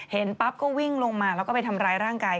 ปั๊บก็วิ่งลงมาแล้วก็ไปทำร้ายร่างกาย